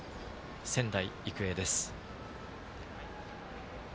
仙台育英です。